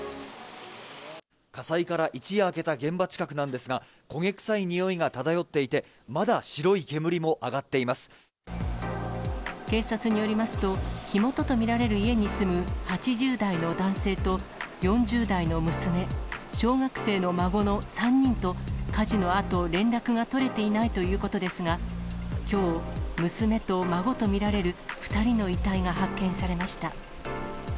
火災から一夜明けた現場近くなんですが、焦げ臭いにおいが漂っていて、まだ白い煙も上がって警察によりますと、火元と見られる家に住む８０代の男性と４０代の娘、小学生の孫の３人と、火事のあと、連絡が取れていないということですが、きょう、娘と孫と見られる２人の遺体が発見されました。